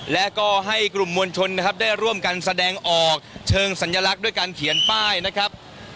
และก็ให้กลุ่มมวลชนนะครับได้ร่วมกันแสดงออกเชิงสัญลักษณ์ด้วยการเขียนป้ายนะครับ